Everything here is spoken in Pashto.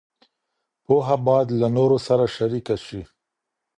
پوهه بايد له نورو سره شريکه شي.